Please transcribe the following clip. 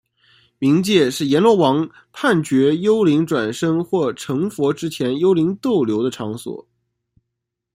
冥界是阎罗王判决幽灵转生或成佛之前幽灵逗留的场所。